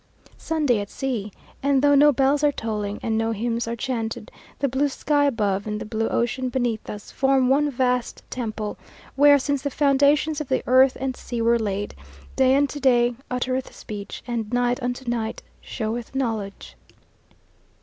Sunday at sea; and though no bells are tolling, and no hymns are chanted, the blue sky above and the blue ocean beneath us, form one vast temple, where, since the foundations of the earth and sea were laid, Day unto day uttereth speech, and night unto night showeth knowledge.